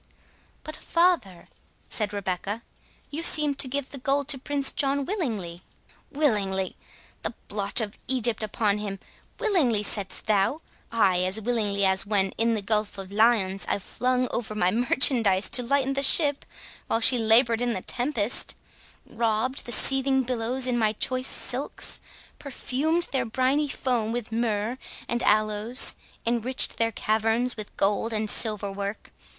"But, father," said Rebecca, "you seemed to give the gold to Prince John willingly." "Willingly? the blotch of Egypt upon him!—Willingly, saidst thou?—Ay, as willingly as when, in the Gulf of Lyons, I flung over my merchandise to lighten the ship, while she laboured in the tempest—robed the seething billows in my choice silks—perfumed their briny foam with myrrh and aloes—enriched their caverns with gold and silver work!